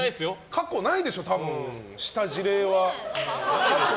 過去ないでしょ、多分した事例は。